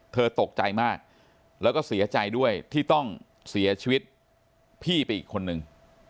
ตกใจมากแล้วก็เสียใจด้วยที่ต้องเสียชีวิตพี่ไปอีกคนนึง